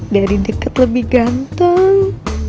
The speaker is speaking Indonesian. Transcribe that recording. dari deket lebih ganteng